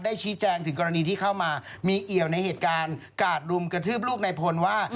ชี้แจงถึงกรณีที่เข้ามามีเอี่ยวในเหตุการณ์กาดรุมกระทืบลูกในพลว่า